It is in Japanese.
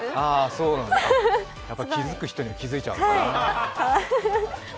やっぱり気づく人には気づいちゃうのかな。